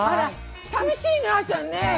さみしいねあーちゃんね。